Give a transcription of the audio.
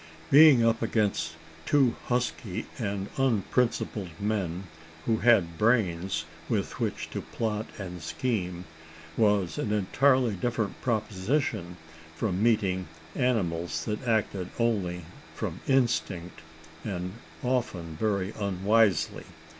Being up against two husky and unprincipled men, who had brains with which to plot and scheme, was an entirely different proposition from meeting animals that acted only from instinct, and often very unwisely.